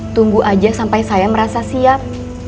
tunggu aja sampai saya merasa siap